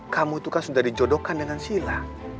kamu itu kan sudah dijodohkan dengan sila